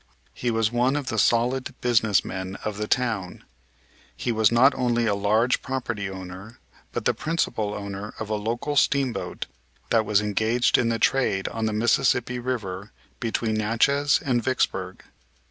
He was one of the solid business men of the town. He was not only a large property owner but the principal owner of a local steamboat that was engaged in the trade on the Mississippi River between Natchez and Vicksburg.